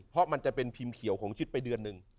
เพราะมันจะเป็นพิมพ์เขียวของชิดไปเดือนหนึ่ง